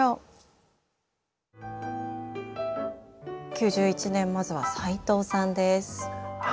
９１年まずは齊藤さんです。